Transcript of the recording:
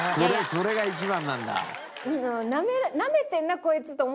それが一番なんだ。